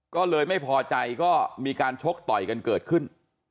ก็เลยไม่พอใจก็มีการชกต่อยกันเกิดขึ้น